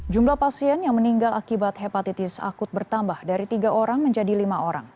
jumlah pasien yang meninggal akibat hepatitis akut bertambah dari tiga orang menjadi lima orang